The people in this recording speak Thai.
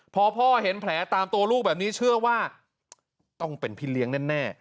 พอพ่อเห็นแผลตามตัวลูกแบบนี้เชื่อว่าต้องเป็นพี่เลี้ยงแน่